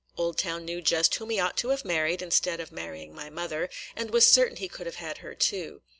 Oldtown knew just whom he ought to have married instead of marrying my mother, and was certain he could have had her too.